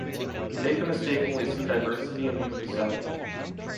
We make a mistake when we see diversity and universality